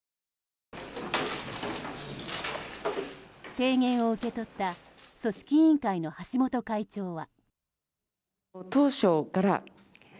提言を受け取った組織委員会の橋本会長は。